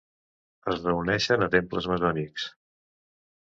Es reuneixen a temples maçònics.